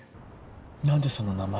何でその名前？